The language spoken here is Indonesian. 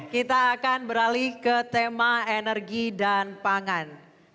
kita akan beralih ke tema energi dan pangan